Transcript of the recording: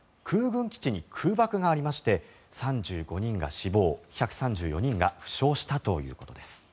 空軍基地に空爆があり３５人が死亡、１３４人が負傷したということです。